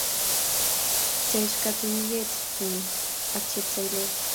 Tech katuiyet ng'uung ak cheptailel